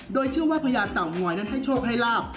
โดยเชื่อว่าพญาเต่างอยนั้นให้โชคให้ลาบ